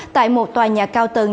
tại một tòa nhà cao tầng